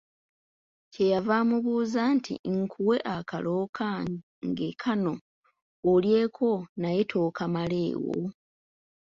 Kyeyava amubuuza nti "Nkuwe akalo kange kano olyeko naye tokamaleewo?